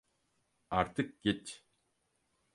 Artık git.